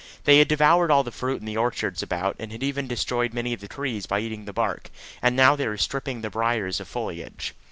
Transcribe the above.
They had devoured all the fruit in the orchards about, and had even destroyed many of the trees by eating the bark, and now they were stripping the briers of foliage.